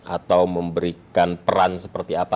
atau memberikan peran seperti apa